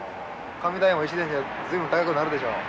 紙代も随分高くなるでしょう。